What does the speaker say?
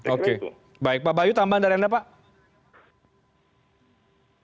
oke baik pak bayu tambah anda randa pak